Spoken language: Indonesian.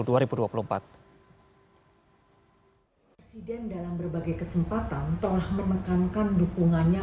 presiden dalam berbagai kesempatan telah menekankan dukungannya